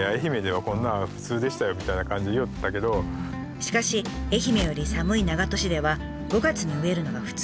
しかし愛媛より寒い長門市では５月に植えるのが普通。